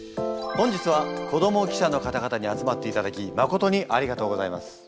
本日は子ども記者の方々に集まっていただきまことにありがとうございます。